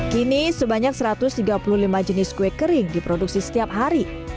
kini sebanyak satu ratus tiga puluh lima jenis kue kering diproduksi setiap hari